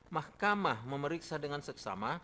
mahkamah memeriksa dengan seksama